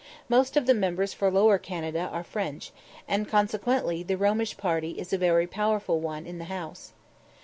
Most of the members for Lower Canada are French, and, consequently, the Romish party is a very powerful one in the House.